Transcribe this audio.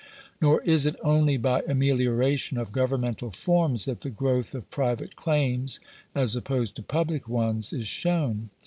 Nor is it only by amelioration of governmental forms that the growth of pri vate claims as opposed to public ones is shown.